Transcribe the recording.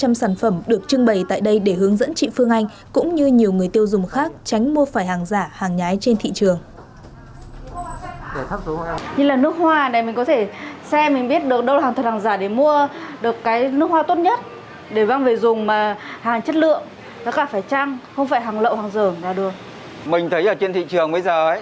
hơn ba trăm linh sản phẩm được trưng bày tại đây để hướng dẫn chị phương anh cũng như nhiều người tiêu dùng khác tránh mua phải hàng giả hàng nhái trên thị trường